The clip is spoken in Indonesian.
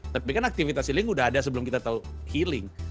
tapi kan aktivitas healing udah ada sebelum kita tahu healing